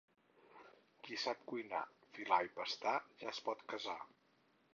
Qui sap cuinar, filar i pastar ja es pot casar.